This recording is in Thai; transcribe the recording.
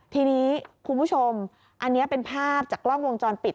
ทีนี้คุณผู้ชมอันนี้เป็นภาพจากกล้องวงจรปิด